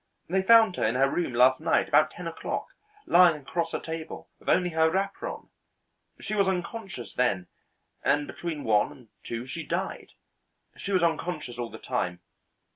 They found her in her room last night about ten o'clock lying across her table with only her wrapper on. She was unconscious then, and between one and two she died. She was unconscious all the time.